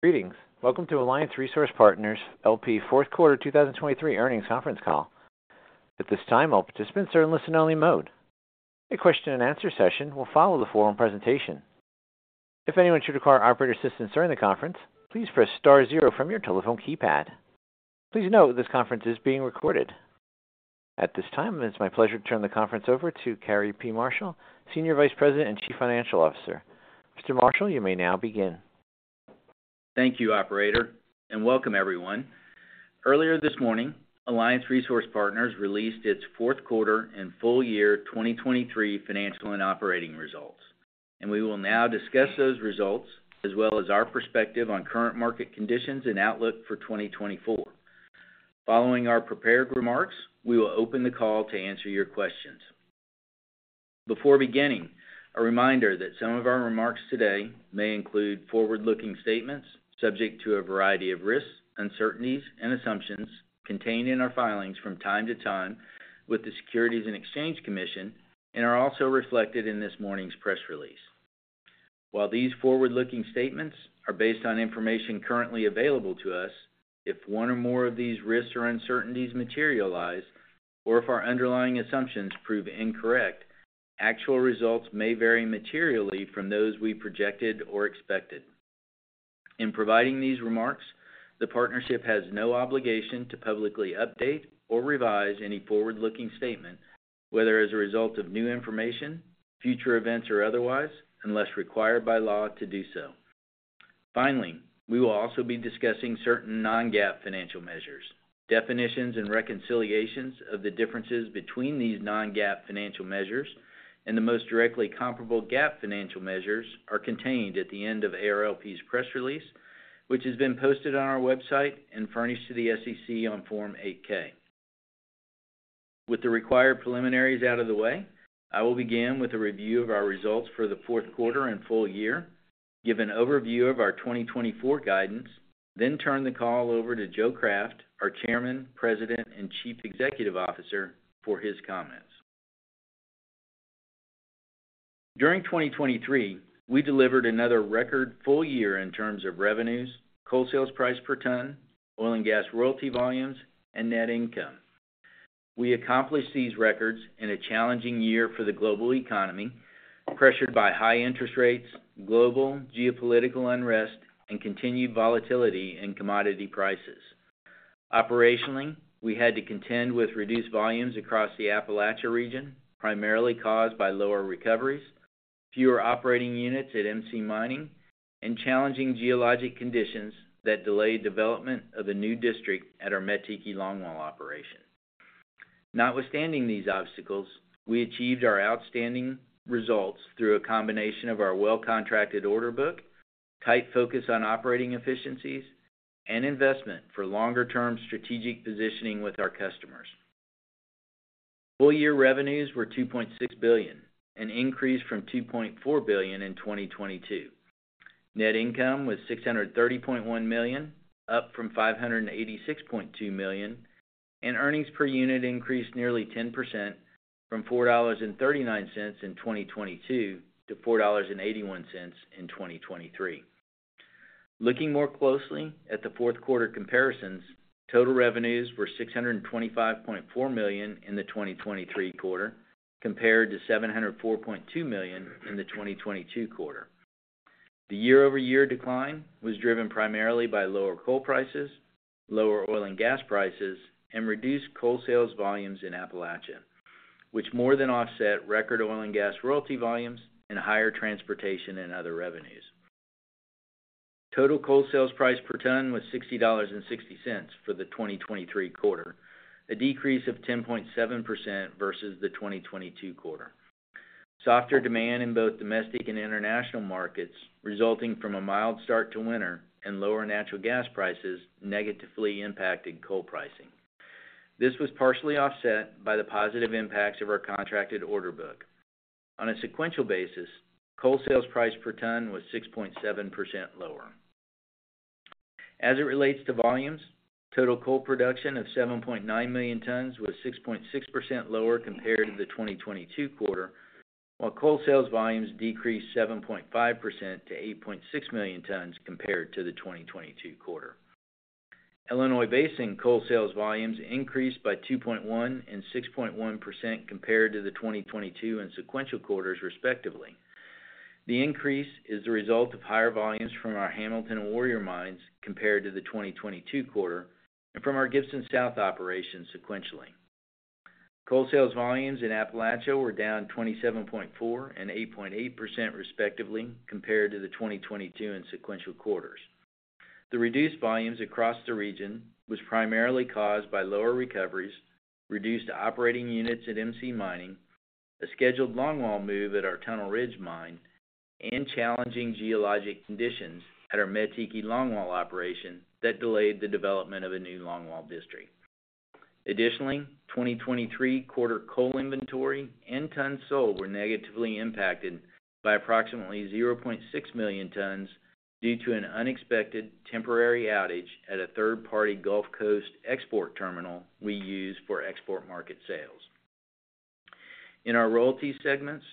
Greetings. Welcome to Alliance Resource Partners, LP fourth quarter 2023 earnings conference call. At this time, all participants are in listen-only mode. A question-and-answer session will follow the forum presentation. If anyone should require operator assistance during the conference, please press star zero from your telephone keypad. Please note, this conference is being recorded. At this time, it's my pleasure to turn the conference over to Cary P. Marshall, Senior Vice President and Chief Financial Officer. Mr. Marshall, you may now begin. Thank you, operator, and welcome everyone. Earlier this morning, Alliance Resource Partners released its fourth quarter and full year 2023 financial and operating results, and we will now discuss those results, as well as our perspective on current market conditions and outlook for 2024. Following our prepared remarks, we will open the call to answer your questions. Before beginning, a reminder that some of our remarks today may include forward-looking statements, subject to a variety of risks, uncertainties, and assumptions contained in our filings from time to time with the Securities and Exchange Commission, and are also reflected in this morning's press release. While these forward-looking statements are based on information currently available to us, if one or more of these risks or uncertainties materialize, or if our underlying assumptions prove incorrect, actual results may vary materially from those we projected or expected. In providing these remarks, the partnership has no obligation to publicly update or revise any forward-looking statement, whether as a result of new information, future events, or otherwise, unless required by law to do so. Finally, we will also be discussing certain non-GAAP financial measures. Definitions and reconciliations of the differences between these non-GAAP financial measures and the most directly comparable GAAP financial measures are contained at the end of ARLP's press release, which has been posted on our website and furnished to the SEC on Form 8-K. With the required preliminaries out of the way, I will begin with a review of our results for the fourth quarter and full year, give an overview of our 2024 guidance, then turn the call over to Joe Craft, our Chairman, President, and Chief Executive Officer, for his comments. During 2023, we delivered another record full year in terms of revenues, coal sales price per ton, oil and gas royalty volumes, and net income. We accomplished these records in a challenging year for the global economy, pressured by high interest rates, global geopolitical unrest, and continued volatility in commodity prices. Operationally, we had to contend with reduced volumes across the Appalachia region, primarily caused by lower recoveries, fewer operating units at MC Mining, and challenging geologic conditions that delayed development of a new district at our Mettiki longwall operation. Notwithstanding these obstacles, we achieved our outstanding results through a combination of our well-contracted order book, tight focus on operating efficiencies, and investment for longer-term strategic positioning with our customers. Full year revenues were $2.6 billion, an increase from $2.4 billion in 2022. Net income was $630.1 million, up from $586.2 million, and earnings per unit increased nearly 10% from $4.39 in 2022 to $4.81 in 2023. Looking more closely at the fourth quarter comparisons, total revenues were $625.4 million in the 2023 quarter, compared to $704.2 million in the 2022 quarter. The year-over-year decline was driven primarily by lower coal prices, lower oil and gas prices, and reduced coal sales volumes in Appalachia, which more than offset record oil and gas royalty volumes and higher transportation and other revenues. Total coal sales price per ton was $60.60 for the 2023 quarter, a decrease of 10.7% versus the 2022 quarter. Softer demand in both domestic and international markets, resulting from a mild start to winter and lower natural gas prices, negatively impacted coal pricing. This was partially offset by the positive impacts of our contracted order book. On a sequential basis, coal sales price per ton was 6.7% lower. As it relates to volumes, total coal production of 7.9 million tons was 6.6% lower compared to the 2022 quarter, while coal sales volumes decreased 7.5% to 8.6 million tons compared to the 2022 quarter. Illinois Basin coal sales volumes increased by 2.1% and 6.1% compared to the 2022 and sequential quarters, respectively. The increase is the result of higher volumes from our Hamilton and Warrior mines compared to the 2022 quarter and from our Gibson South operation sequentially. Coal sales volumes in Appalachia were down 27.4% and 8.8%, respectively, compared to the 2022 and sequential quarters. The reduced volumes across the region was primarily caused by lower recoveries, reduced operating units at MC Mining, a scheduled longwall move at our Tunnel Ridge mine, and challenging geologic conditions at our Mettiki longwall operation that delayed the development of a new longwall district. Additionally, 2023 quarter coal inventory and tons sold were negatively impacted by approximately 0.6 million tons due to an unexpected temporary outage at a third-party Gulf Coast export terminal we use for export market sales. In our royalty segments,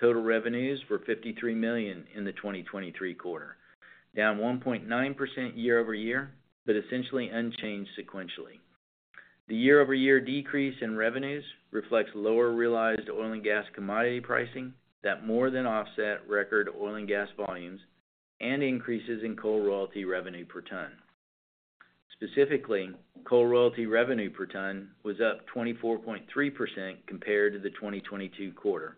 total revenues were $53 million in the 2023 quarter, down 1.9% year-over-year, but essentially unchanged sequentially. The year-over-year decrease in revenues reflects lower realized oil and gas commodity pricing that more than offset record oil and gas volumes and increases in coal royalty revenue per ton. Specifically, coal royalty revenue per ton was up 24.3% compared to the 2022 quarter,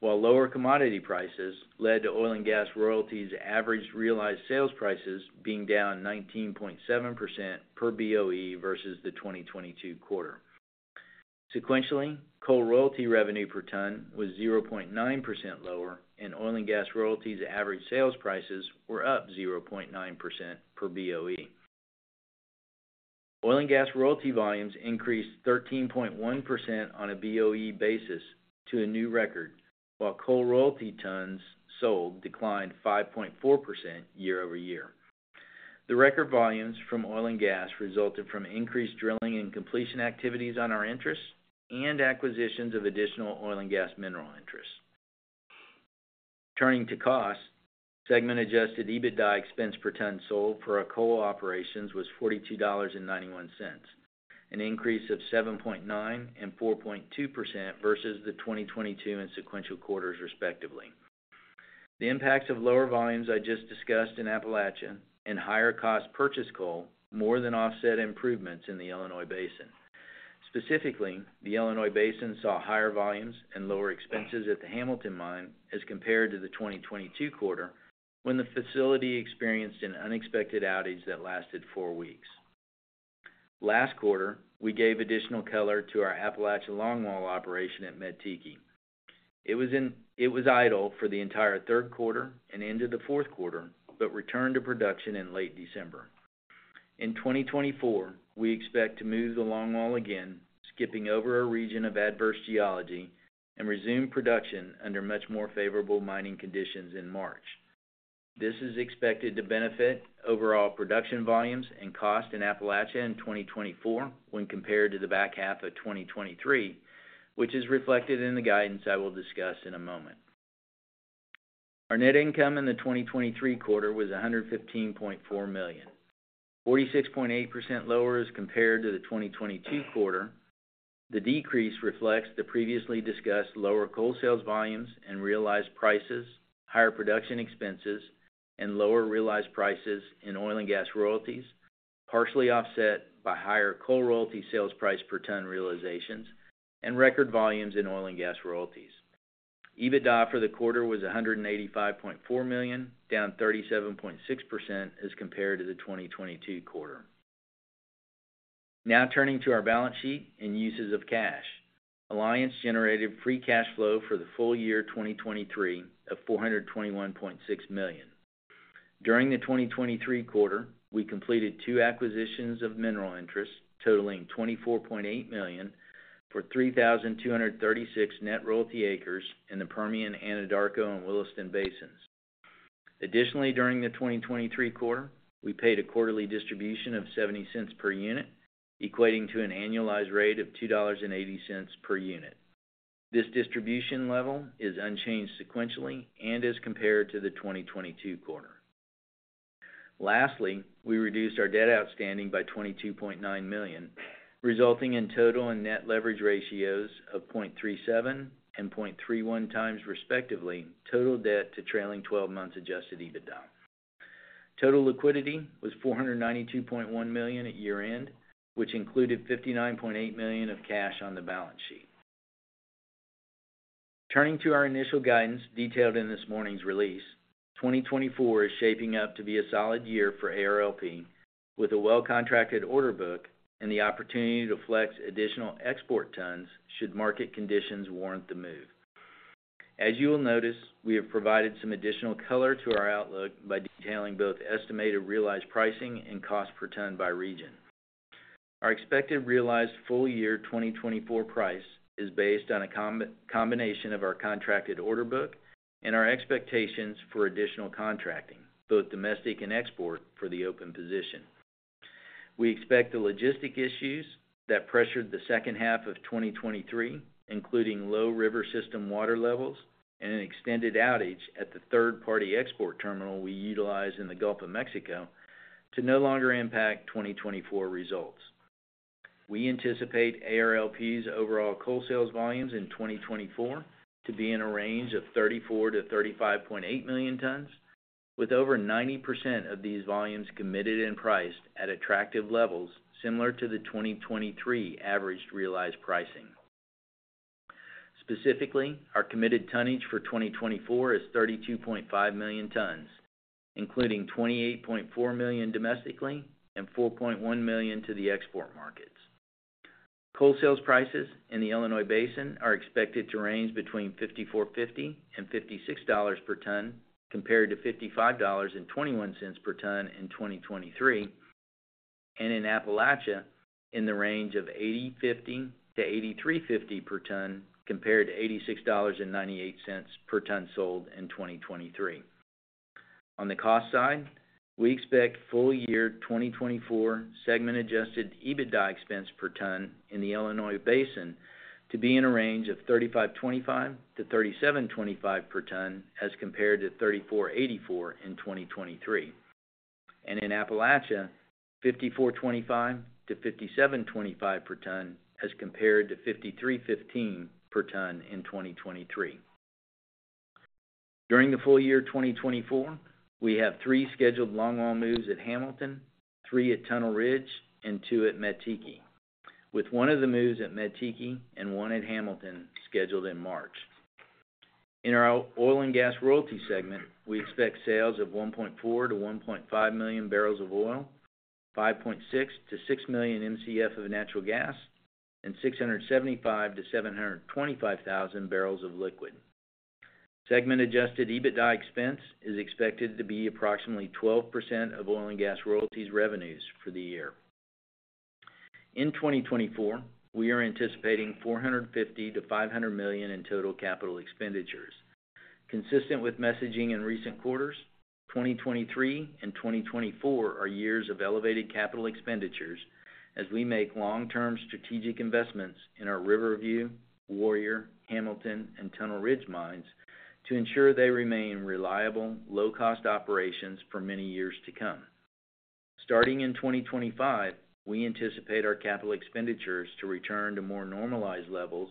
while lower commodity prices led to oil and gas royalties average realized sales prices being down 19.7% per BOE versus the 2022 quarter. Sequentially, coal royalty revenue per ton was 0.9% lower, and oil and gas royalties average sales prices were up 0.9% per BOE. Oil and gas royalty volumes increased 13.1% on a BOE basis to a new record, while coal royalty tons sold declined 5.4% year-over-year. The record volumes from oil and gas resulted from increased drilling and completion activities on our interests and acquisitions of additional oil and gas mineral interests. Turning to cost, Segment Adjusted EBITDA expense per ton sold for our coal operations was $42.91, an increase of 7.9% and 4.2% versus the 2022 and sequential quarters, respectively. The impacts of lower volumes I just discussed in Appalachia and higher cost purchase coal more than offset improvements in the Illinois Basin. Specifically, the Illinois Basin saw higher volumes and lower expenses at the Hamilton Mine as compared to the 2022 quarter, when the facility experienced an unexpected outage that lasted four weeks. Last quarter, we gave additional color to our Appalachia longwall operation at Mettiki. It was idle for the entire third quarter and into the fourth quarter, but returned to production in late December. In 2024, we expect to move the longwall again, skipping over a region of adverse geology, and resume production under much more favorable mining conditions in March. This is expected to benefit overall production volumes and cost in Appalachia in 2024, when compared to the back half of 2023, which is reflected in the guidance I will discuss in a moment. Our net income in the 2023 quarter was $115.4 million, 46.8% lower as compared to the 2022 quarter. The decrease reflects the previously discussed lower coal sales volumes and realized prices, higher production expenses, and lower realized prices in oil and gas royalties, partially offset by higher coal royalty sales price per ton realizations and record volumes in oil and gas royalties. EBITDA for the quarter was $185.4 million, down 37.6% as compared to the 2022 quarter. Now turning to our balance sheet and uses of cash. Alliance generated free cash flow for the full year 2023 of $421.6 million. During the 2023 quarter, we completed two acquisitions of mineral interests, totaling $24.8 million for 3,236 net royalty acres in the Permian, Anadarko, and Williston Basins. Additionally, during the 2023 quarter, we paid a quarterly distribution of $0.70 per unit, equating to an annualized rate of $2.80 per unit. This distribution level is unchanged sequentially and as compared to the 2022 quarter. Lastly, we reduced our debt outstanding by $22.9 million, resulting in total and net leverage ratios of 0.37x and 0.31x, respectively, total debt to trailing 12 months adjusted EBITDA. Total liquidity was $492.1 million at year-end, which included $59.8 million of cash on the balance sheet. Turning to our initial guidance detailed in this morning's release, 2024 is shaping up to be a solid year for ARLP, with a well-contracted order book and the opportunity to flex additional export tons should market conditions warrant the move. As you will notice, we have provided some additional color to our outlook by detailing both estimated realized pricing and cost per ton by region. Our expected realized full-year 2024 price is based on a combination of our contracted order book and our expectations for additional contracting, both domestic and export, for the open position. We expect the logistic issues that pressured the second half of 2023, including low river system water levels and an extended outage at the third-party export terminal we utilize in the Gulf of Mexico, to no longer impact 2024 results. We anticipate ARLP's overall coal sales volumes in 2024 to be in a range of 34-35.8 million tons, with over 90% of these volumes committed and priced at attractive levels similar to the 2023 averaged realized pricing. Specifically, our committed tonnage for 2024 is 32.5 million tons, including 28.4 million domestically and 4.1 million to the export markets. Coal sales prices in the Illinois Basin are expected to range between $54.50-$56 per ton, compared to $55.21 per ton in 2023, and in Appalachia, in the range of $80.50-$83.50 per ton, compared to $86.98 per ton sold in 2023. On the cost side, we expect full year 2024 Segment Adjusted EBITDA expense per ton in the Illinois Basin to be in a range of $35.25-$37.25 per ton, as compared to $34.84 in 2023. And in Appalachia, $54.25-$57.25 per ton, as compared to $53.15 per ton in 2023. During the full year 2024, we have three scheduled longwall moves at Hamilton, three at Tunnel Ridge, and two at Mettiki, with one of the moves at Mettiki and one at Hamilton scheduled in March. In our oil and gas royalty segment, we expect sales of 1.4-1.5 million barrels of oil, 5.6-6 million MCF of natural gas, and 675,000-725,000 barrels of liquid. Segment Adjusted EBITDA expense is expected to be approximately 12% of oil and gas royalties revenues for the year. In 2024, we are anticipating $450 million-$500 million in total capital expenditures. Consistent with messaging in recent quarters, 2023 and 2024 are years of elevated capital expenditures as we make long-term strategic investments in our River View, Warrior, Hamilton, and Tunnel Ridge mines to ensure they remain reliable, low-cost operations for many years to come. Starting in 2025, we anticipate our capital expenditures to return to more normalized levels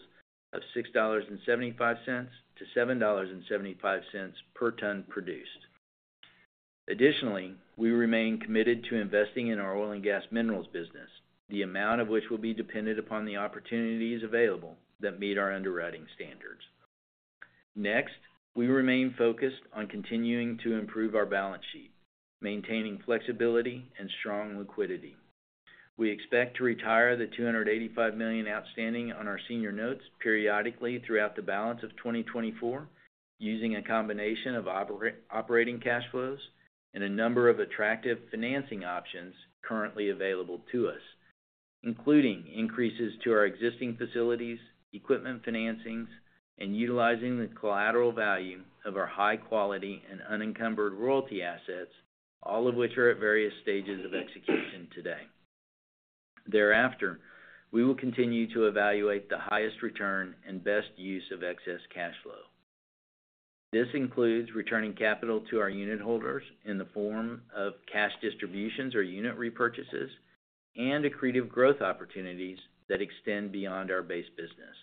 of $6.75-$7.75 per ton produced. Additionally, we remain committed to investing in our oil and gas minerals business, the amount of which will be dependent upon the opportunities available that meet our underwriting standards. Next, we remain focused on continuing to improve our balance sheet, maintaining flexibility and strong liquidity. We expect to retire the $285 million outstanding on our senior notes periodically throughout the balance of 2024, using a combination of operating cash flows and a number of attractive financing options currently available to us, including increases to our existing facilities, equipment financings, and utilizing the collateral value of our high quality and unencumbered royalty assets, all of which are at various stages of execution today. Thereafter, we will continue to evaluate the highest return and best use of excess cash flow. This includes returning capital to our unit holders in the form of cash distributions or unit repurchases, and accretive growth opportunities that extend beyond our base business.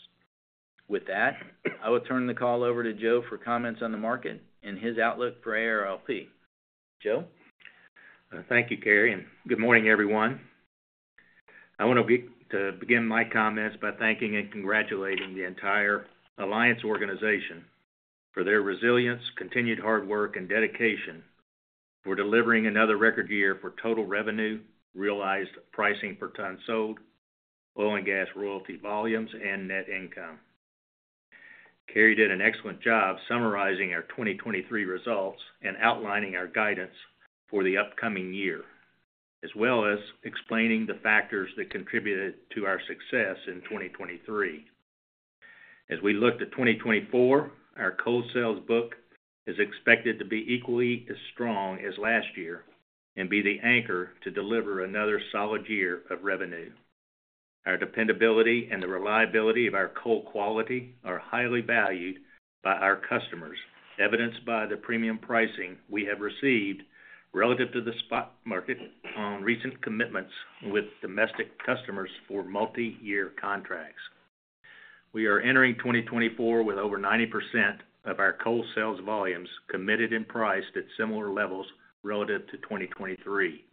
With that, I will turn the call over to Joe for comments on the market and his outlook for ARLP. Joe? Thank you, Cary, and good morning, everyone. I want to begin my comments by thanking and congratulating the entire Alliance organization for their resilience, continued hard work, and dedication for delivering another record year for total revenue, realized pricing per ton sold, oil and gas royalty volumes, and net income. Cary did an excellent job summarizing our 2023 results and outlining our guidance for the upcoming year, as well as explaining the factors that contributed to our success in 2023. As we look to 2024, our coal sales book is expected to be equally as strong as last year and be the anchor to deliver another solid year of revenue. Our dependability and the reliability of our coal quality are highly valued by our customers, evidenced by the premium pricing we have received relative to the spot market on recent commitments with domestic customers for multiyear contracts. We are entering 2024 with over 90% of our coal sales volumes committed and priced at similar levels relative to 2023.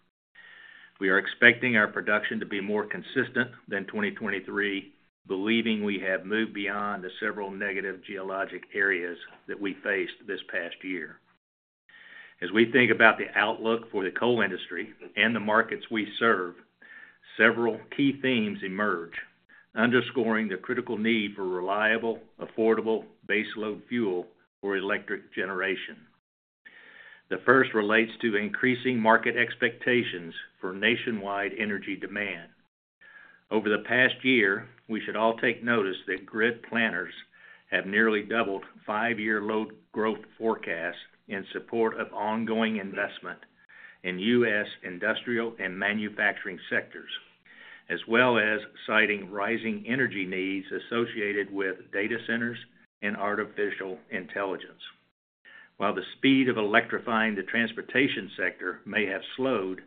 We are expecting our production to be more consistent than 2023, believing we have moved beyond the several negative geologic areas that we faced this past year. As we think about the outlook for the coal industry and the markets we serve, several key themes emerge, underscoring the critical need for reliable, affordable, baseload fuel for electric generation. The first relates to increasing market expectations for nationwide energy demand. Over the past year, we should all take notice that grid planners have nearly doubled five-year load growth forecasts in support of ongoing investment in U.S. industrial and manufacturing sectors, as well as citing rising energy needs associated with data centers and artificial intelligence. While the speed of electrifying the transportation sector may have slowed,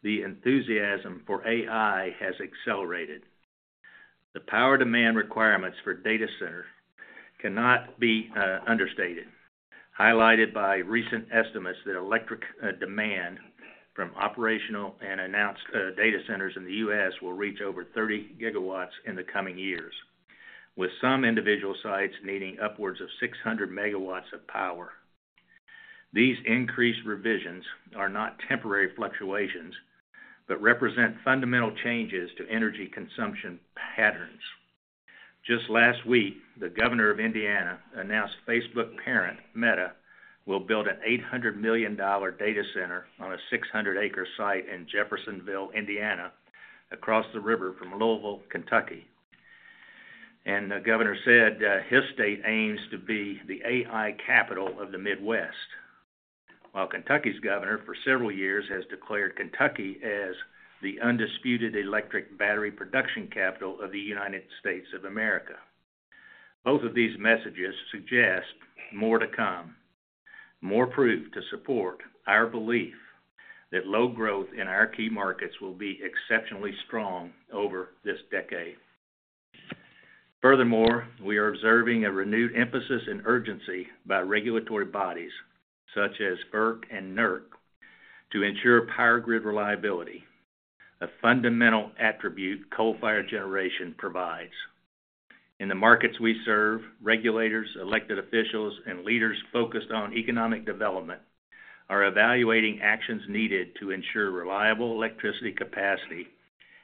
the enthusiasm for AI has accelerated. The power demand requirements for data centers cannot be understated, highlighted by recent estimates that electric demand from operational and announced data centers in the U.S. will reach over 30 GW in the coming years, with some individual sites needing upwards of 600 MW of power. These increased revisions are not temporary fluctuations, but represent fundamental changes to energy consumption patterns. Just last week, the governor of Indiana announced Facebook parent, Meta, will build an $800 million data center on a 600 acre site in Jeffersonville, Indiana, across the river from Louisville, Kentucky. And the governor said, his state aims to be the AI capital of the Midwest. While Kentucky's governor, for several years, has declared Kentucky as the undisputed electric battery production capital of the United States of America. Both of these messages suggest more to come, more proof to support our belief that load growth in our key markets will be exceptionally strong over this decade. Furthermore, we are observing a renewed emphasis and urgency by regulatory bodies such as FERC and NERC to ensure power grid reliability, a fundamental attribute coal-fired generation provides. In the markets we serve, regulators, elected officials, and leaders focused on economic development are evaluating actions needed to ensure reliable electricity capacity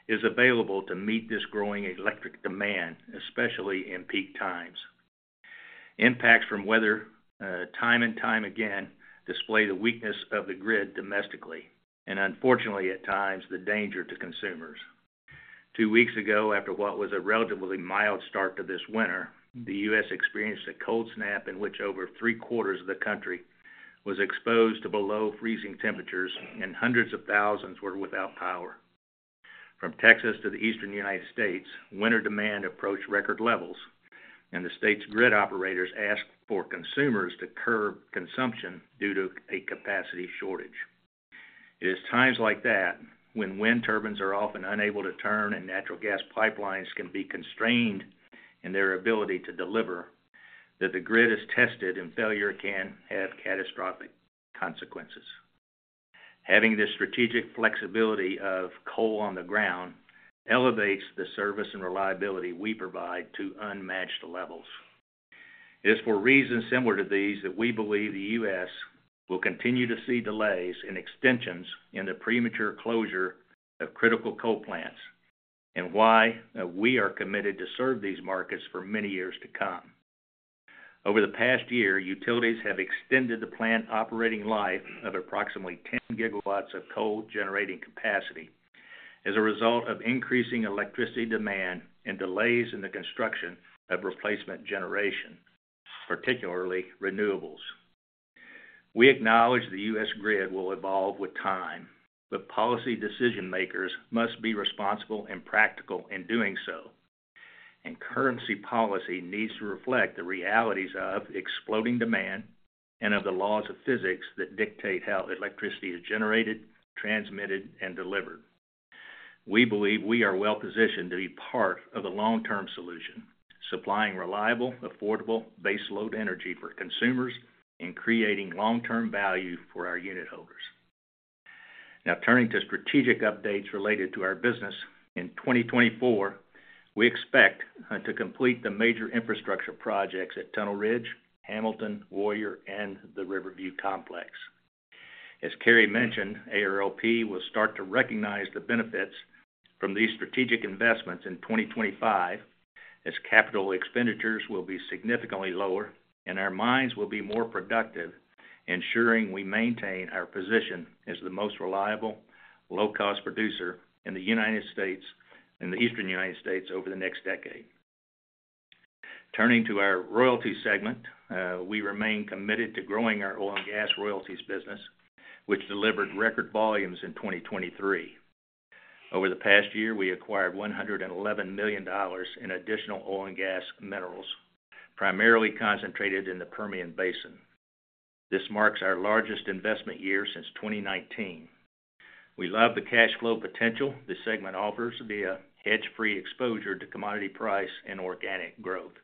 is available to meet this growing electric demand, especially in peak times. Impacts from weather, time and time again, display the weakness of the grid domestically, and unfortunately, at times, the danger to consumers. Two weeks ago, after what was a relatively mild start to this winter, the U.S. experienced a cold snap in which over three-quarters of the country was exposed to below freezing temperatures and hundreds of thousands were without power. From Texas to the Eastern United States, winter demand approached record levels, and the state's grid operators asked for consumers to curb consumption due to a capacity shortage. It is times like that, when wind turbines are often unable to turn and natural gas pipelines can be constrained in their ability to deliver, that the grid is tested and failure can have catastrophic consequences. Having this strategic flexibility of coal on the ground elevates the service and reliability we provide to unmatched levels. It is for reasons similar to these that we believe the U.S. will continue to see delays and extensions in the premature closure of critical coal plants, and why we are committed to serve these markets for many years to come. Over the past year, utilities have extended the plant operating life of approximately 10 GW of coal-generating capacity as a result of increasing electricity demand and delays in the construction of replacement generation, particularly renewables. We acknowledge the U.S. grid will evolve with time, but policy decision-makers must be responsible and practical in doing so, and currency policy needs to reflect the realities of exploding demand and of the laws of physics that dictate how electricity is generated, transmitted, and delivered. We believe we are well-positioned to be part of the long-term solution, supplying reliable, affordable, base load energy for consumers and creating long-term value for our unitholders. Now, turning to strategic updates related to our business. In 2024, we expect to complete the major infrastructure projects at Tunnel Ridge, Hamilton, Warrior, and the River View Complex. As Cary mentioned, ARLP will start to recognize the benefits from these strategic investments in 2025, as capital expenditures will be significantly lower and our mines will be more productive, ensuring we maintain our position as the most reliable, low-cost producer in the United States, in the Eastern United States over the next decade. Turning to our royalty segment, we remain committed to growing our oil and gas royalties business, which delivered record volumes in 2023. Over the past year, we acquired $111 million in additional oil and gas minerals, primarily concentrated in the Permian Basin. This marks our largest investment year since 2019. We love the cash flow potential this segment offers via hedge-free exposure to commodity price and organic growth.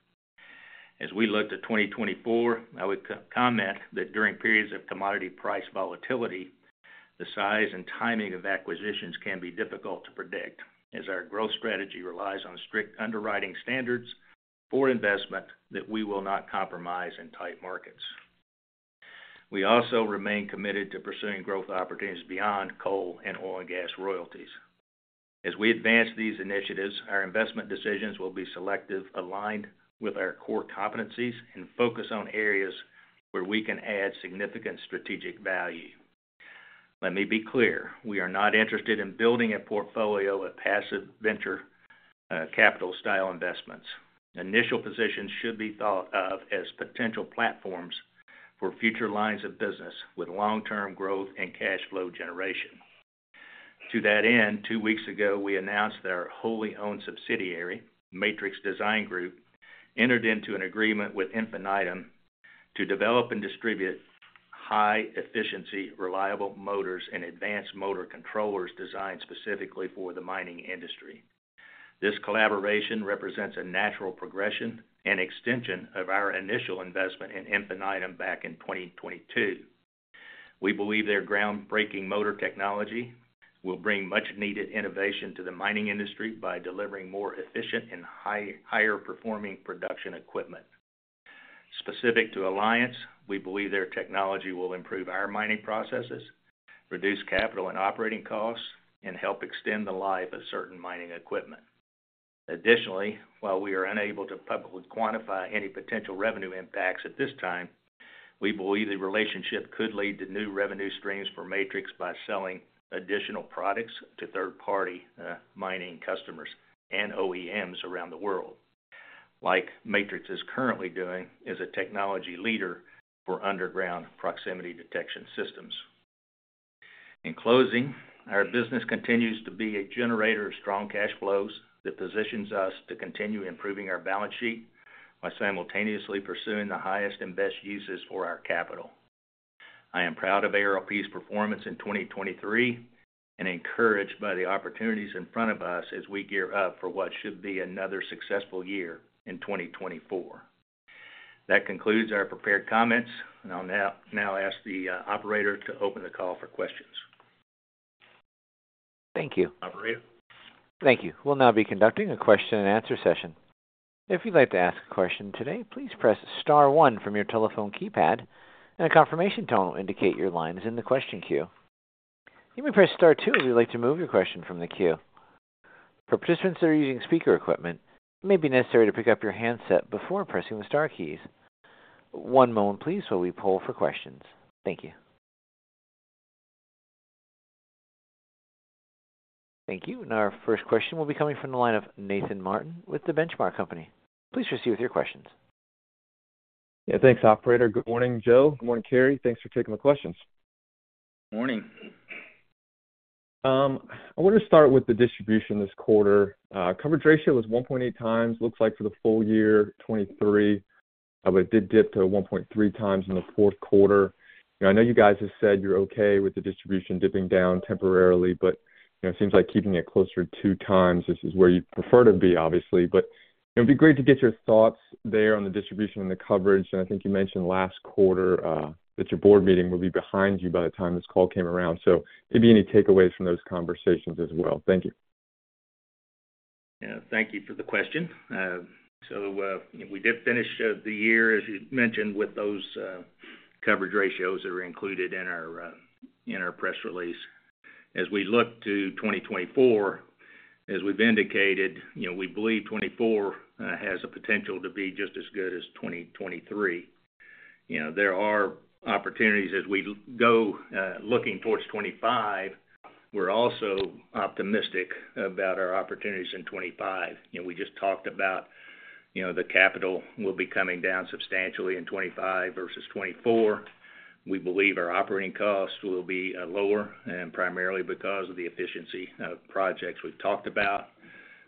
As we look to 2024, I would co-comment that during periods of commodity price volatility, the size and timing of acquisitions can be difficult to predict, as our growth strategy relies on strict underwriting standards for investment that we will not compromise in tight markets. We also remain committed to pursuing growth opportunities beyond coal and oil and gas royalties. As we advance these initiatives, our investment decisions will be selective, aligned with our core competencies, and focus on areas where we can add significant strategic value. Let me be clear, we are not interested in building a portfolio of passive venture capital style investments. Initial positions should be thought of as potential platforms for future lines of business with long-term growth and cash flow generation. To that end, two weeks ago, we announced that our wholly owned subsidiary, Matrix Design Group, entered into an agreement with Infinitum to develop and distribute high-efficiency, reliable motors and advanced motor controllers designed specifically for the mining industry. This collaboration represents a natural progression and extension of our initial investment in Infinitum back in 2022. We believe their groundbreaking motor technology will bring much-needed innovation to the mining industry by delivering more efficient and higher performing production equipment. Specific to Alliance, we believe their technology will improve our mining processes, reduce capital and operating costs, and help extend the life of certain mining equipment. Additionally, while we are unable to publicly quantify any potential revenue impacts at this time... We believe the relationship could lead to new revenue streams for Matrix by selling additional products to third-party mining customers and OEMs around the world, like Matrix is currently doing as a technology leader for underground proximity detection systems. In closing, our business continues to be a generator of strong cash flows that positions us to continue improving our balance sheet, while simultaneously pursuing the highest and best uses for our capital. I am proud of ARLP's performance in 2023, and encouraged by the opportunities in front of us as we gear up for what should be another successful year in 2024. That concludes our prepared comments, and I'll now ask the operator to open the call for questions. Thank you. Operator? Thank you. We'll now be conducting a question and answer session. If you'd like to ask a question today, please press star one from your telephone keypad, and a confirmation tone will indicate your line is in the question queue. You may press star two if you'd like to move your question from the queue. For participants that are using speaker equipment, it may be necessary to pick up your handset before pressing the star keys. One moment please, while we poll for questions. Thank you. Thank you. And our first question will be coming from the line of Nathan Martin with The Benchmark Company. Please proceed with your questions. Yeah, thanks, operator. Good morning, Joe. Good morning, Cary. Thanks for taking my questions. Morning. I want to start with the distribution this quarter. Coverage ratio was 1.8x. Looks like for the full year 2023, but it did dip to 1.3x in the fourth quarter. I know you guys have said you're okay with the distribution dipping down temporarily, but, you know, it seems like keeping it closer to 2x, this is where you'd prefer to be, obviously. But it'd be great to get your thoughts there on the distribution and the coverage. And I think you mentioned last quarter, that your board meeting will be behind you by the time this call came around, so maybe any takeaways from those conversations as well. Thank you. Yeah, thank you for the question. So, we did finish the year, as you mentioned, with those coverage ratios that are included in our press release. As we look to 2024, as we've indicated, you know, we believe 2024 has the potential to be just as good as 2023. You know, there are opportunities as we go, looking towards 2025. We're also optimistic about our opportunities in 2025. You know, we just talked about, you know, the capital will be coming down substantially in 2025 versus 2024. We believe our operating costs will be lower, and primarily because of the efficiency of projects we've talked about.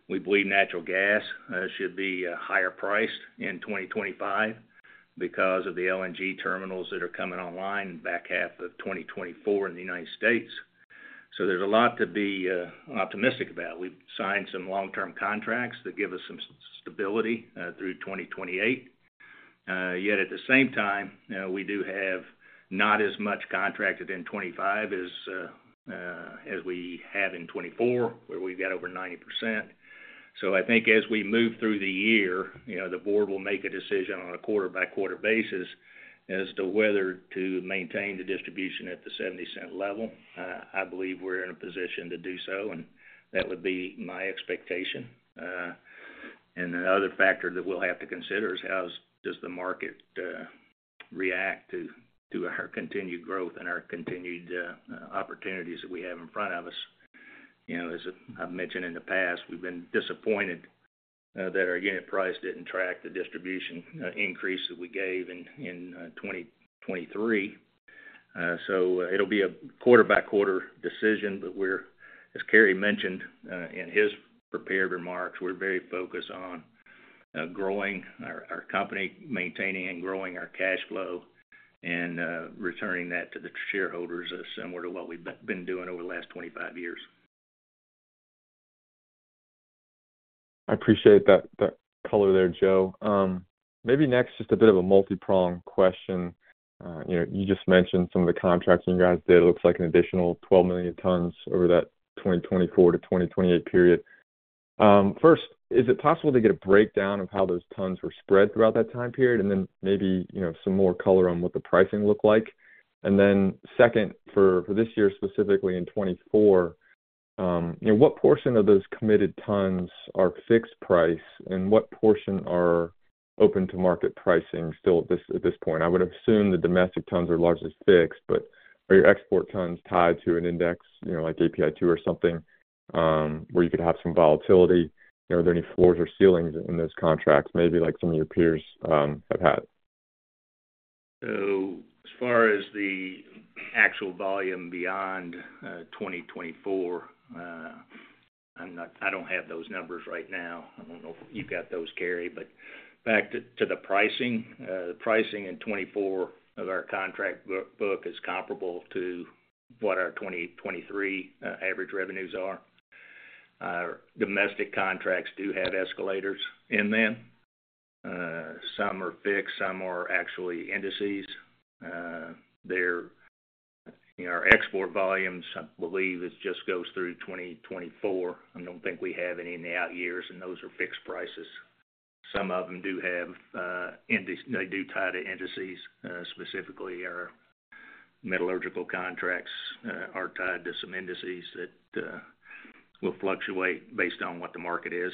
We believe natural gas should be higher priced in 2025 because of the LNG terminals that are coming online back half of 2024 in the United States. So there's a lot to be optimistic about. We've signed some long-term contracts that give us some stability through 2028. Yet at the same time, we do have not as much contracted in 2025 as as we have in 2024, where we've got over 90%. So I think as we move through the year, you know, the board will make a decision on a quarter-by-quarter basis as to whether to maintain the distribution at the $0.70 level. I believe we're in a position to do so, and that would be my expectation. And another factor that we'll have to consider is how does the market react to our continued growth and our continued opportunities that we have in front of us? You know, as I've mentioned in the past, we've been disappointed that our unit price didn't track the distribution increase that we gave in 2023. So it'll be a quarter-by-quarter decision, but we're, as Cary mentioned in his prepared remarks, we're very focused on growing our company, maintaining and growing our cash flow, and returning that to the shareholders, similar to what we've been doing over the last 25 years. I appreciate that, that color there, Joe. Maybe next, just a bit of a multipronged question. You know, you just mentioned some of the contracts you guys did. It looks like an additional 12 million tons over that 2024-2028 period. First, is it possible to get a breakdown of how those tons were spread throughout that time period, and then maybe, you know, some more color on what the pricing looked like? And then second, for, for this year, specifically in 2024, what portion of those committed tons are fixed price, and what portion are open to market pricing still at this, at this point? I would assume the domestic tons are largely fixed, but are your export tons tied to an index, you know, like API2 or something, where you could have some volatility? You know, are there any floors or ceilings in those contracts, maybe like some of your peers, have had? So as far as the actual volume beyond 2024, I'm not—I don't have those numbers right now. I don't know if you've got those, Cary, but back to the pricing. The pricing in 2024 of our contract book is comparable to what our 2023 average revenues are. Domestic contracts do have escalators in them. Some are fixed, some are actually indices. They're, you know, our export volumes, I believe, it just goes through 2024. I don't think we have any in the out years, and those are fixed prices. Some of them do have indices—they do tie to indices, specifically our metallurgical contracts are tied to some indices that will fluctuate based on what the market is.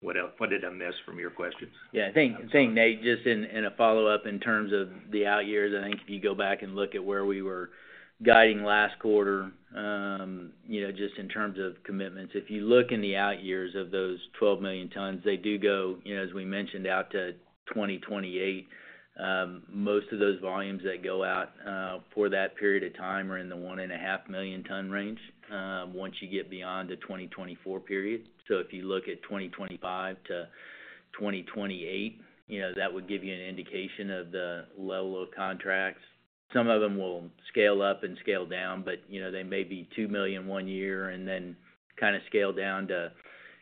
What else? What did I miss from your questions? Yeah, I think, I think, Nate, just in, in a follow-up in terms of the outyears, I think if you go back and look at where we were guiding last quarter, you know, just in terms of commitments. If you look in the outyears of those 12 million tons, they do go, you know, as we mentioned, out to 2028. Most of those volumes that go out for that period of time are in the 1.5 million ton range, once you get beyond the 2024 period. So if you look at 2025-2028, you know, that would give you an indication of the level of contracts. Some of them will scale up and scale down, but, you know, they may be 2 million one year and then kind of scale down to,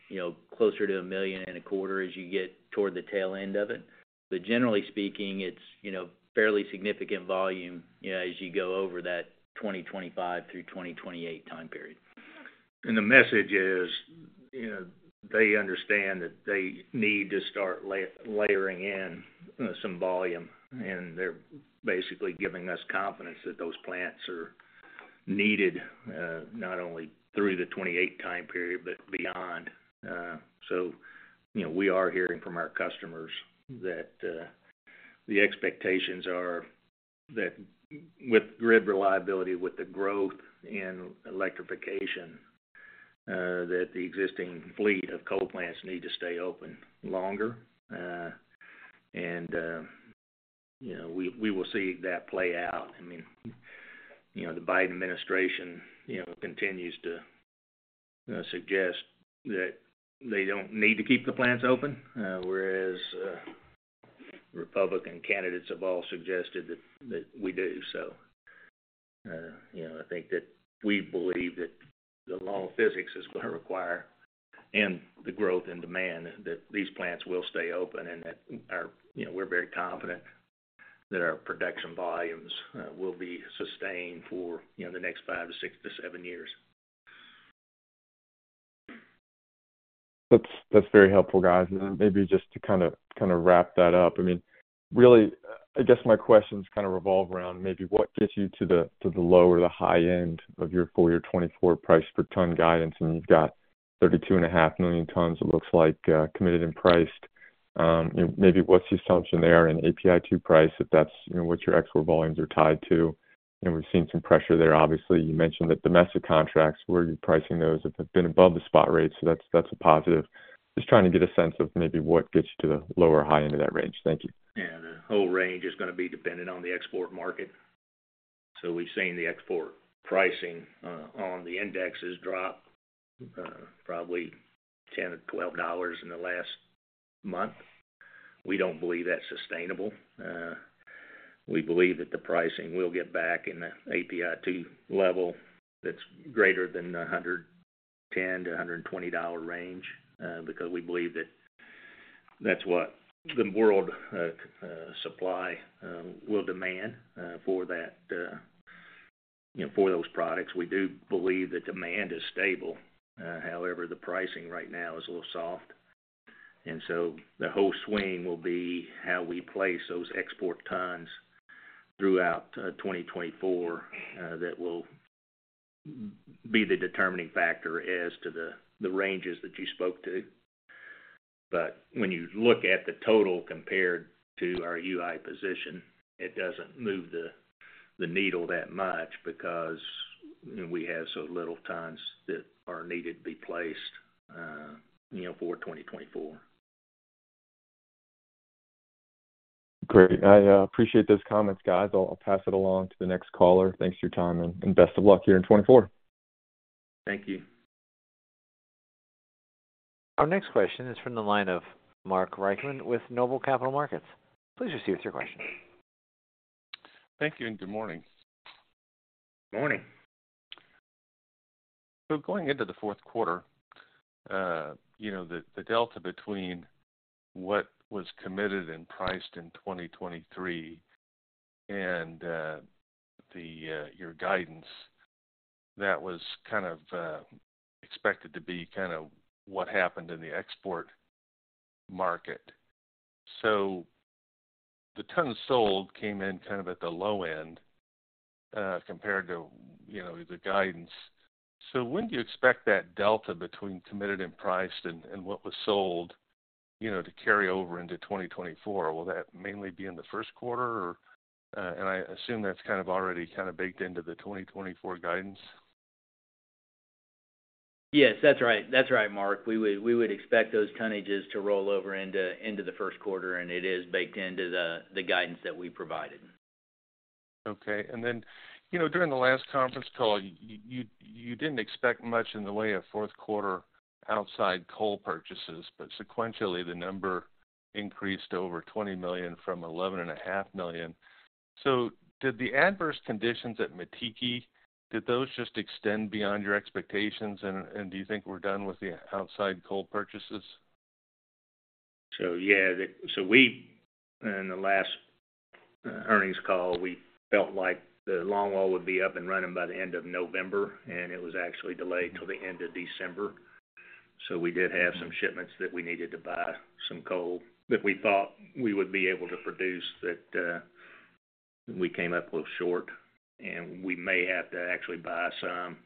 you know, closer to 1.25 million as you get toward the tail end of it. But generally speaking, it's, you know, fairly significant volume, you know, as you go over that 2025 through 2028 time period. The message is, you know, they understand that they need to start layering in some volume, and they're basically giving us confidence that those plants are needed, not only through the 2028 time period but beyond. So, you know, we are hearing from our customers that the expectations are that with grid reliability, with the growth in electrification, that the existing fleet of coal plants need to stay open longer. And, you know, we will see that play out. I mean, you know, the Biden administration continues to suggest that they don't need to keep the plants open, whereas Republican candidates have all suggested that we do. So, you know, I think that we believe that the law of physics is gonna require, and the growth in demand, that these plants will stay open and that our... You know, we're very confident that our production volumes will be sustained for, you know, the next five to six to seven years. That's very helpful, guys. And then maybe just to kinda wrap that up, I mean, really, I guess my questions kind of revolve around maybe what gets you to the low or the high end of your full year 2024 price per ton guidance, and you've got 32.5 million tons, it looks like, committed and priced. And maybe what's the assumption there in API2 price, if that's, you know, what your export volumes are tied to? And we've seen some pressure there. Obviously, you mentioned that domestic contracts, where you're pricing those, have been above the spot rate, so that's a positive. Just trying to get a sense of maybe what gets you to the low or high end of that range. Thank you. Yeah. The whole range is gonna be dependent on the export market. So we've seen the export pricing on the indexes drop probably $10-$12 in the last month. We don't believe that's sustainable. We believe that the pricing will get back in the API2 level that's greater than the $110-$120 range because we believe that that's what the world supply will demand for that you know for those products. We do believe the demand is stable. However, the pricing right now is a little soft. And so the whole swing will be how we place those export tons throughout 2024 that will be the determining factor as to the ranges that you spoke to. But when you look at the total compared to our UI position, it doesn't move the needle that much because, you know, we have so little tons that are needed to be placed, you know, for 2024. Great. I appreciate those comments, guys. I'll pass it along to the next caller. Thanks for your time, and best of luck here in 2024. Thank you. Our next question is from the line of Mark Reichman with NOBLE Capital Markets. Please proceed with your question. Thank you, and good morning. Morning. So going into the fourth quarter, you know, the, the delta between what was committed and priced in 2023 and, the, your guidance, that was kind of, expected to be kinda what happened in the export market. So the tons sold came in kind of at the low end, compared to, you know, the guidance. So when do you expect that delta between committed and priced and, and what was sold, you know, to carry over into 2024? Will that mainly be in the first quarter, or... And I assume that's kind of already kind of baked into the 2024 guidance. Yes, that's right. That's right, Mark. We would, we would expect those tonnages to roll over into, into the first quarter, and it is baked into the, the guidance that we provided. Okay. And then, you know, during the last conference call, you didn't expect much in the way of fourth quarter outside coal purchases, but sequentially, the number increased to over 20 million from 11.5 million. So did the adverse conditions at Mettiki, did those just extend beyond your expectations, and do you think we're done with the outside coal purchases? So yeah, so we, in the last earnings call, we felt like the longwall would be up and running by the end of November, and it was actually delayed till the end of December. So we did have some shipments that we needed to buy some coal that we thought we would be able to produce, that we came up a little short, and we may have to actually buy some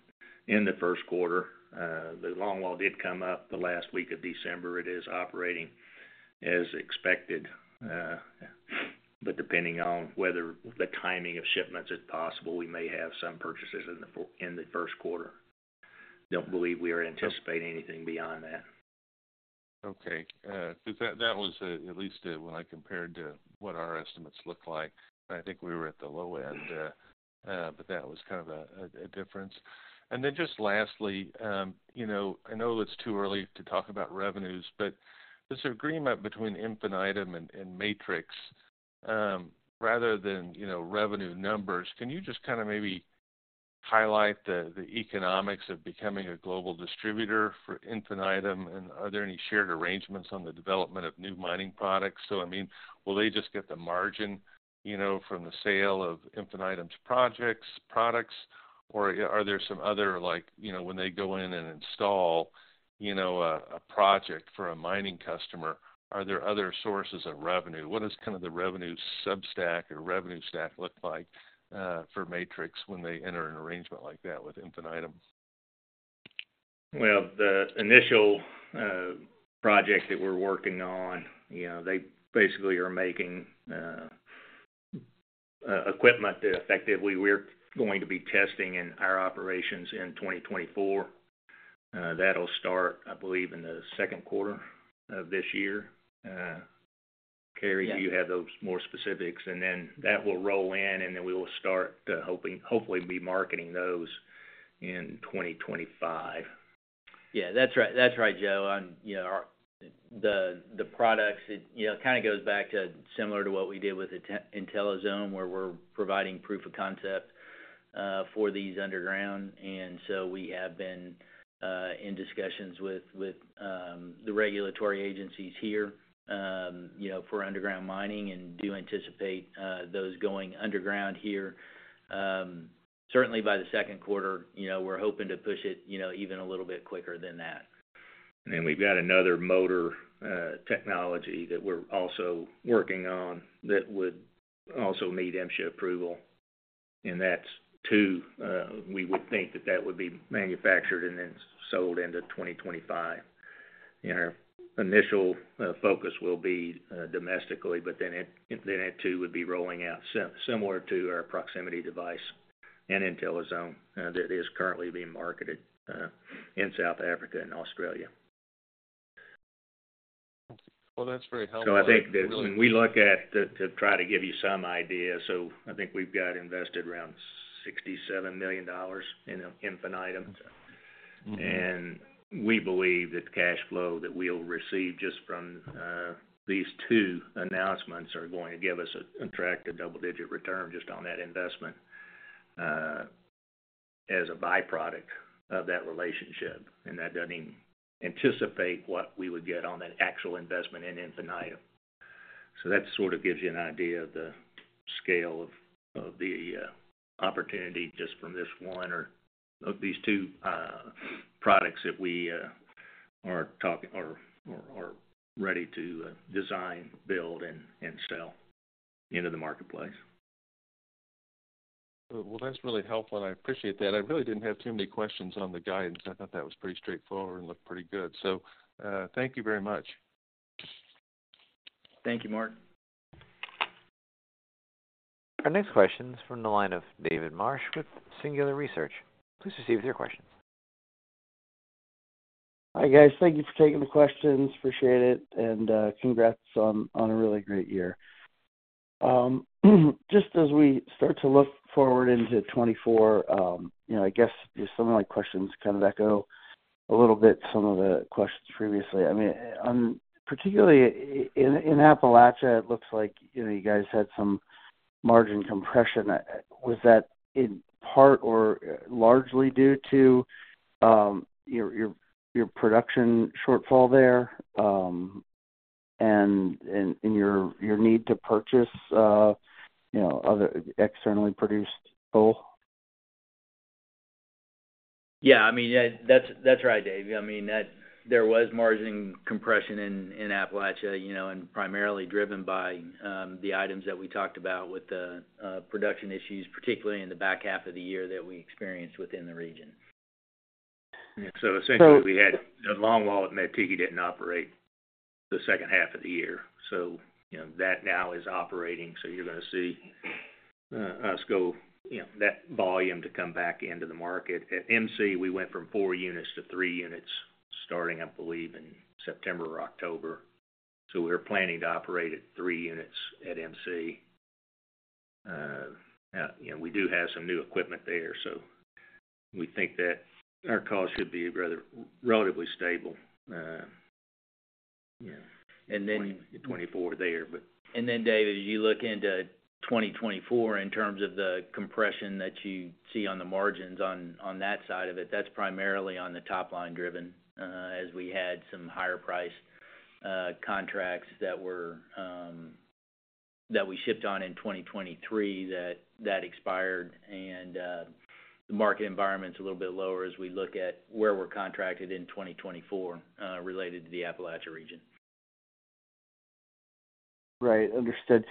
in the first quarter. The longwall did come up the last week of December. It is operating as expected, but depending on whether the timing of shipments is possible, we may have some purchases in the first quarter. Don't believe we are anticipating anything beyond that. Okay. Because that was at least when I compared to what our estimates looked like, I think we were at the low end. But that was kind of a difference. And then just lastly, you know, I know it's too early to talk about revenues, but this agreement between Infinitum and Matrix, rather than, you know, revenue numbers, can you just kind of maybe highlight the economics of becoming a global distributor for Infinitum? And are there any shared arrangements on the development of new mining products? So I mean, will they just get the margin, you know, from the sale of Infinitum's projects, products? Or are there some other, like, you know, when they go in and install a project for a mining customer, are there other sources of revenue? What does kind of the revenue sub-stack or revenue stack look like for Matrix when they enter an arrangement like that with Infinitum? Well, the initial project that we're working on, you know, they basically are making equipment that effectively we're going to be testing in our operations in 2024. That'll start, I believe, in the second quarter of this year. Cary- Yeah. Do you have those more specifics? And then that will roll in, and then we will start hopefully be marketing those in 2025. Yeah, that's right. That's right, Joe. You know, our products, it you know, kind of goes back to similar to what we did with IntelliZone, where we're providing proof of concept for these underground. And so we have been in discussions with the regulatory agencies here, you know, for underground mining, and do anticipate those going underground here certainly by the second quarter. You know, we're hoping to push it you know, even a little bit quicker than that. We've got another motor technology that we're also working on that would also need MSHA approval, and that too, we would think that that would be manufactured and then sold into 2025. Our initial focus will be domestically, but then it too would be rolling out similar to our proximity device and IntelliZone that is currently being marketed in South Africa and Australia. Well, that's very helpful. I think that when we look at to try to give you some idea, so I think we've got invested around $67 million in Infinitum. Mm-hmm. We believe that the cash flow that we'll receive just from these two announcements are going to give us an attractive double-digit return just on that investment as a byproduct of that relationship, and that doesn't even anticipate what we would get on an actual investment in Infinitum. So that sort of gives you an idea of the scale of the opportunity just from this one or of these two products that we are talking or are ready to design, build, and sell into the marketplace. Well, that's really helpful, and I appreciate that. I really didn't have too many questions on the guidance. I thought that was pretty straightforward and looked pretty good. So, thank you very much. Thank you, Mark. Our next question is from the line of David Marsh with Singular Research. Please proceed with your question. Hi, guys. Thank you for taking the questions. Appreciate it, and congrats on a really great year. Just as we start to look forward into 2024, you know, I guess just some of my questions kind of echo a little bit some of the questions previously. I mean, on particularly in Appalachia, it looks like, you know, you guys had some margin compression. Was that in part or largely due to your production shortfall there, and your need to purchase, you know, other externally produced coal? Yeah, I mean, that's, that's right, Dave. I mean, that there was margin compression in Appalachia, you know, and primarily driven by the items that we talked about with the production issues, particularly in the back half of the year that we experienced within the region. Yeah. So essentially- So- We had the longwall at Mettiki didn't operate the second half of the year, so, you know, that now is operating. So you're gonna see us go, you know, that volume to come back into the market. At MC, we went from four units to three units, starting, I believe, in September or October. So we're planning to operate at three units at MC. You know, we do have some new equipment there, so we think that our costs should be rather relatively stable, yeah. And then- 2024 there, but- And then, David, as you look into 2024, in terms of the compression that you see on the margins on, on that side of it, that's primarily on the top line driven, as we had some higher price contracts that were, that we shipped on in 2023, that, that expired and, the market environment's a little bit lower as we look at where we're contracted in 2024, related to the Appalachia region. Right, understood.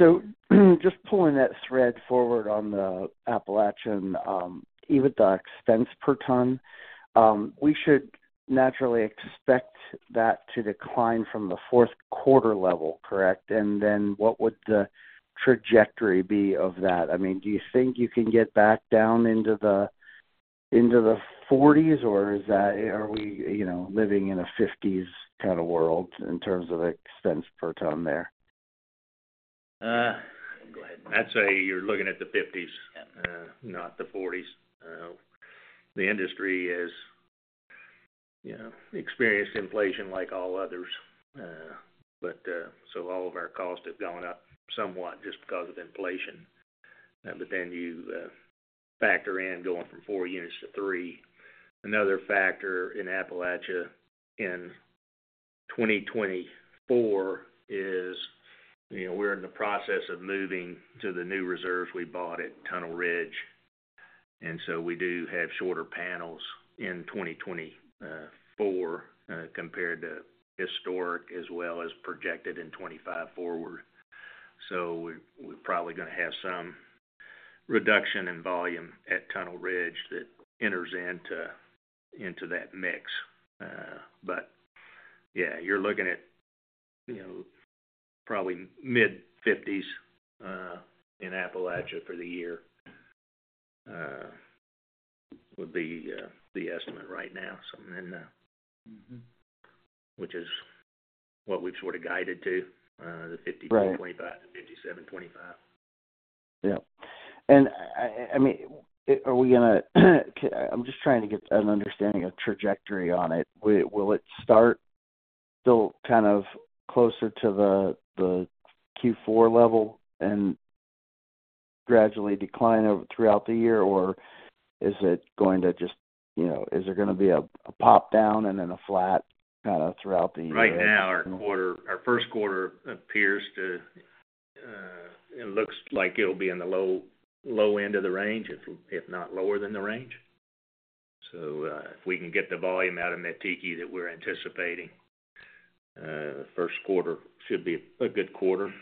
So just pulling that thread forward on the Appalachian, EBITDA expense per ton, we should naturally expect that to decline from the fourth quarter level, correct? And then what would the trajectory be of that? I mean, do you think you can get back down into the, into the $40s, or is that - are we, you know, living in a $50s kind of world in terms of expense per ton there? Go ahead. I'd say you're looking at the $50s- Yeah. Not the $40s. The industry has, you know, experienced inflation like all others. But all of our costs have gone up somewhat just because of inflation. But then you factor in going from four units to three. Another factor in Appalachia in 2024 is, you know, we're in the process of moving to the new reserves we bought at Tunnel Ridge. And so we do have shorter panels in 2024 compared to historic as well as projected in $25 forward. So we're probably gonna have some reduction in volume at Tunnel Ridge that enters into that mix. But yeah, you're looking at, you know, probably mid-$50s in Appalachia for the year would be the estimate right now. Something in Mm-hmm. Which is what we've sort of guided to, the $50- Right. $25-$57.25. Yeah. And I mean, are we gonna... I'm just trying to get an understanding of trajectory on it. Will it start still kind of closer to the Q4 level and gradually decline over throughout the year? Or is it going to just, you know, is there gonna be a pop down and then a flat kind of throughout the year? Right now, our first quarter appears to, it looks like it'll be in the low, low end of the range, if, if not lower than the range. So, if we can get the volume out of Mettiki that we're anticipating, the first quarter should be a good quarter.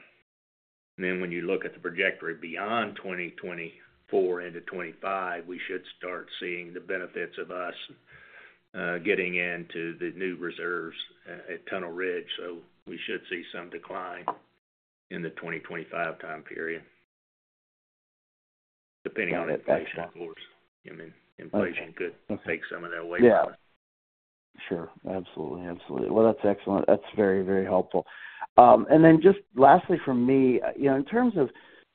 Then when you look at the trajectory beyond 2024 into 2025, we should start seeing the benefits of us, getting into the new reserves at, at Tunnel Ridge. So we should see some decline in the 2025 time period, depending on inflation, of course. I mean, inflation could take some of that away. Yeah. Sure. Absolutely. Absolutely. Well, that's excellent. That's very, very helpful. And then just lastly from me, you know, in terms of,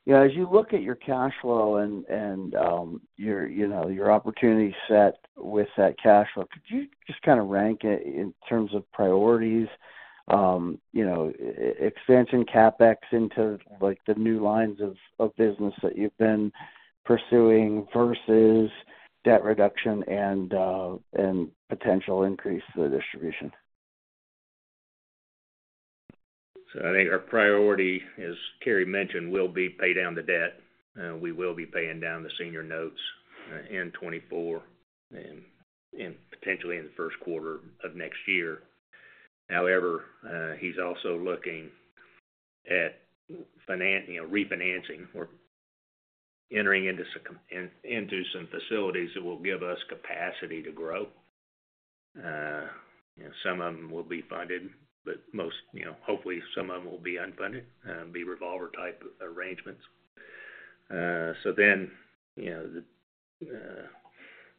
you know, as you look at your cash flow and your opportunity set with that cash flow, could you just kind of rank it in terms of priorities? You know, expansion CapEx into, like, the new lines of business that you've been pursuing versus debt reduction and potential increase to the distribution. So I think our priority, as Cary mentioned, will be pay down the debt. We will be paying down the senior notes in 2024 and potentially in the first quarter of next year. However, he's also looking at financial, you know, refinancing. We're entering into some into some facilities that will give us capacity to grow. Some of them will be funded, but most, you know, hopefully, some of them will be unfunded, be revolver-type arrangements. So then, you know, the,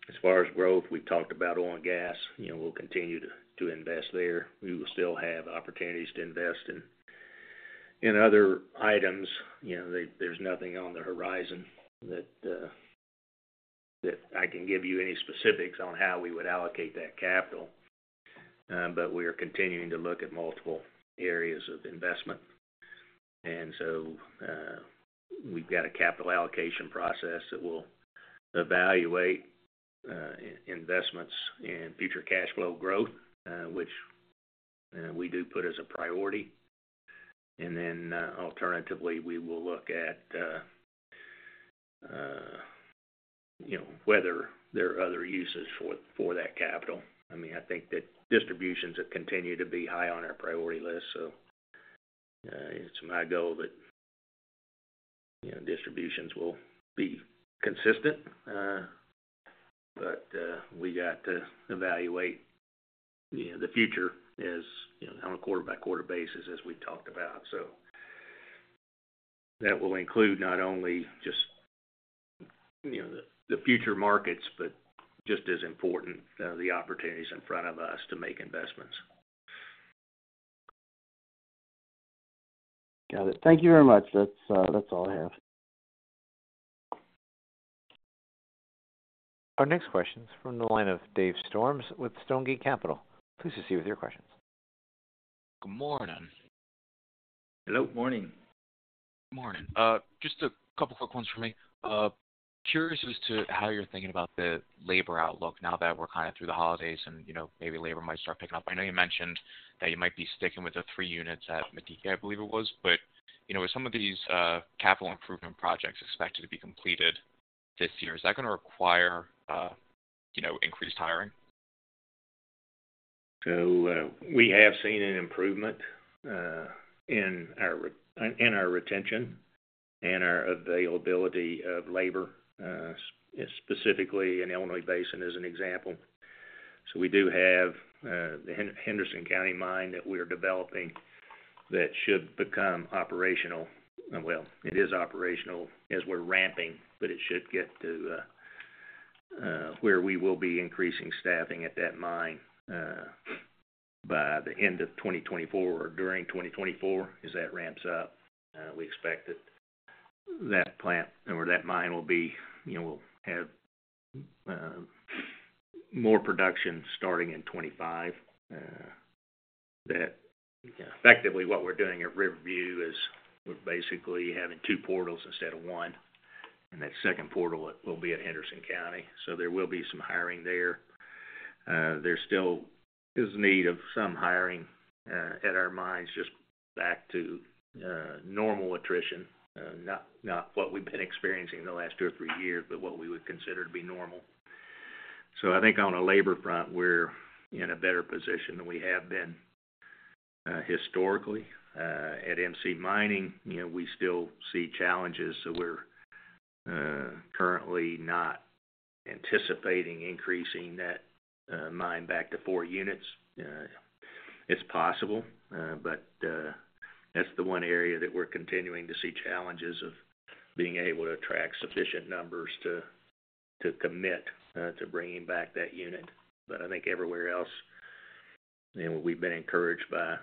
as far as growth, we've talked about oil and gas. You know, we'll continue to invest there. We will still have opportunities to invest in other items. You know, there's nothing on the horizon that I can give you any specifics on how we would allocate that capital, but we are continuing to look at multiple areas of investment. And so, we've got a capital allocation process that will evaluate investments in future cash flow growth, which we do put as a priority. And then, alternatively, we will look at, you know, whether there are other uses for that capital. I mean, I think that distributions have continued to be high on our priority list, so, it's my goal that, you know, distributions will be consistent. But, we got to evaluate, you know, the future as, you know, on a quarter-by-quarter basis, as we talked about. So that will include not only just, you know, the future markets, but just as important, the opportunities in front of us to make investments. Got it. Thank you very much. That's, that's all I have. Our next question is from the line of Dave Storms with Stonegate Capital. Please proceed with your questions. Good morning. Hello, morning. Good morning. Just a couple quick ones for me. Curious as to how you're thinking about the labor outlook now that we're kind of through the holidays and, you know, maybe labor might start picking up. I know you mentioned that you might be sticking with the three units at Mettiki, I believe it was. But, you know, with some of these, capital improvement projects expected to be completed this year, is that gonna require, you know, increased hiring? So, we have seen an improvement in our retention and our availability of labor, specifically in Illinois Basin, as an example. So we do have the Henderson County mine that we are developing that should become operational. Well, it is operational as we're ramping, but it should get to where we will be increasing staffing at that mine by the end of 2024 or during 2024, as that ramps up. We expect that that plant or that mine will be, you know, we'll have more production starting in 2025. That effectively, what we're doing at River View is we're basically having two portals instead of one, and that second portal will be at Henderson County, so there will be some hiring there. There still is need of some hiring at our mines, just back to normal attrition. Not, not what we've been experiencing the last two or three years, but what we would consider to be normal. So I think on a labor front, we're in a better position than we have been historically. At MC Mining, you know, we still see challenges, so we're currently not anticipating increasing that mine back to 4 units. It's possible, but that's the one area that we're continuing to see challenges of being able to attract sufficient numbers to commit to bringing back that unit. But I think everywhere else, you know, we've been encouraged by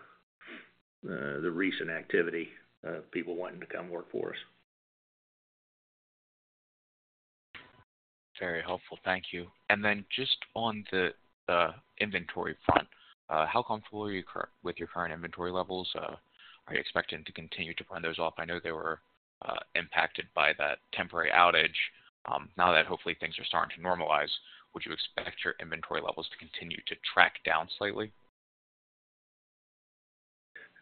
the recent activity of people wanting to come work for us. Very helpful. Thank you. And then just on the inventory front, how comfortable are you currently with your current inventory levels? Are you expecting to continue to run those off? I know they were impacted by that temporary outage. Now that hopefully things are starting to normalize, would you expect your inventory levels to continue to track down slightly?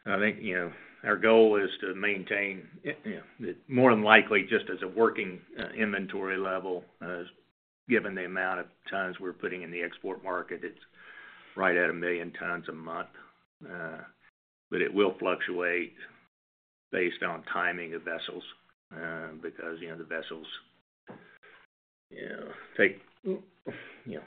I think, you know, our goal is to maintain, more than likely, just as a working inventory level, given the amount of tons we're putting in the export market, it's right at 1 million tons a month. But it will fluctuate based on timing of vessels, because, you know, the vessels take, you know,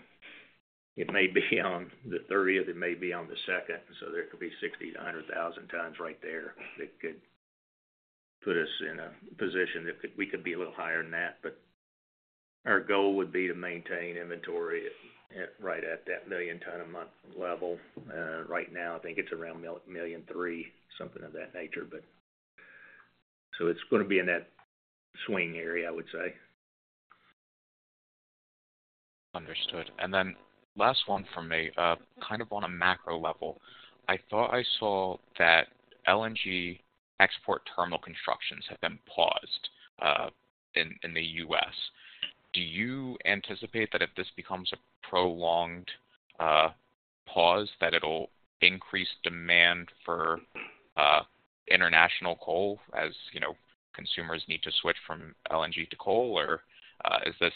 it may be on the thirtieth, it may be on the second, so there could be 60-100,000 tons right there. That could put us in a position that could - we could be a little higher than that, but our goal would be to maintain inventory at, right at that 1 million ton a month level. Right now, I think it's around 1.3 million, something of that nature. But... So it's gonna be in that swing area, I would say. Understood. Then last one from me. Kind of on a macro level, I thought I saw that LNG export terminal constructions have been paused in the U.S. Do you anticipate that if this becomes a prolonged pause, that it'll increase demand for international coal as, you know, consumers need to switch from LNG to coal? Or, is this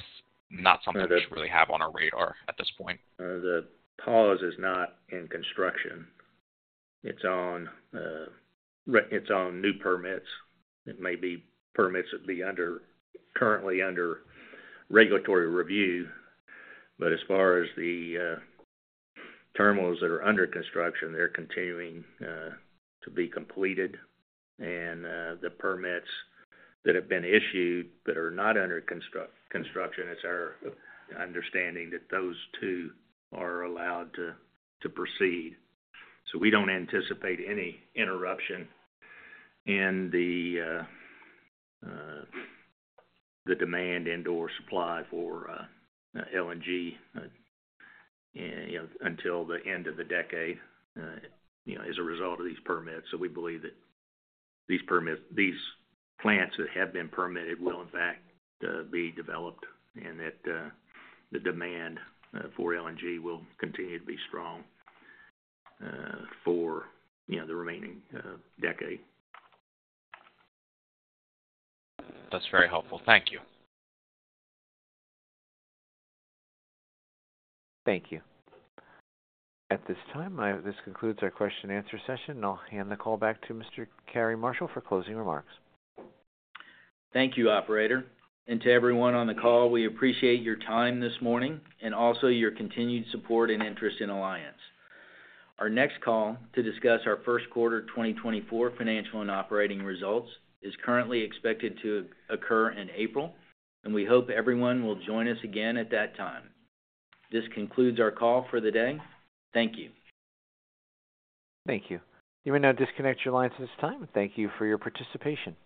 not something we should really have on our radar at this point? The pause is not in construction. It's on new permits. It may be permits that be under, currently under regulatory review, but as far as the terminals that are under construction, they're continuing to be completed. And the permits that have been issued that are not under construction, it's our understanding that those two are allowed to proceed. So we don't anticipate any interruption in the demand and or supply for LNG, you know, until the end of the decade, you know, as a result of these permits. So we believe that these permits, these plants that have been permitted will in fact be developed, and that the demand for LNG will continue to be strong, for you know, the remaining decade. That's very helpful. Thank you. Thank you. At this time, this concludes our question and answer session, and I'll hand the call back to Mr. Cary Marshall for closing remarks. Thank you, operator. To everyone on the call, we appreciate your time this morning and also your continued support and interest in Alliance. Our next call to discuss our first quarter 2024 financial and operating results is currently expected to occur in April, and we hope everyone will join us again at that time. This concludes our call for the day. Thank you. Thank you. You may now disconnect your lines at this time. Thank you for your participation.